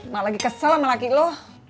malah lagi kesel sama laki lo